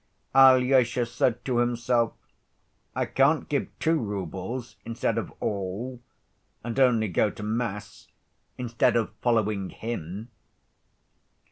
Alyosha said to himself: "I can't give two roubles instead of 'all,' and only go to mass instead of 'following Him.